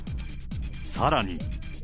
さらに。